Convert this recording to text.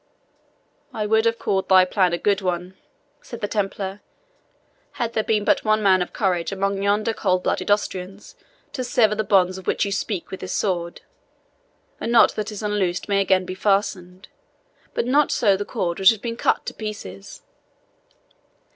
"I would have called thy plan a good one," said the Templar, "had there been but one man of courage among yonder cold blooded Austrians to sever the bonds of which you speak with his sword. A knot that is unloosed may again be fastened, but not so the cord which has been cut to pieces."